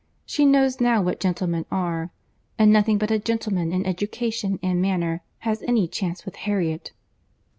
She knows now what gentlemen are; and nothing but a gentleman in education and manner has any chance with Harriet."